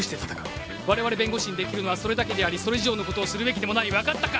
「われわれ弁護士にできるのはそれだけでありそれ以上のことをするべきでもない」「分かったか？